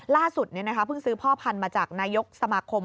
ล่าสุดเพิ่งซื้อพ่อพันธุ์มาจากนายกสมาคม